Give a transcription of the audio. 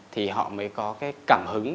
thì họ mới có cái cảm hứng